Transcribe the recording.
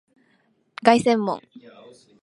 凱旋門